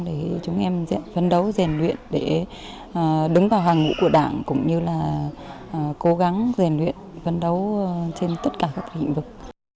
để chúng em vấn đấu rèn luyện để đứng vào hoàng ngũ của đảng cũng như là cố gắng rèn luyện vấn đấu trên tất cả các hình vực